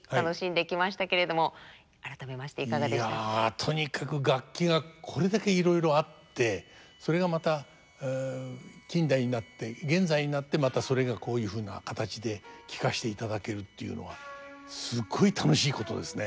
とにかく楽器がこれだけいろいろあってそれがまた近代になって現在になってまたそれがこういうふうな形で聴かしていただけるっていうのはすごい楽しいことですね。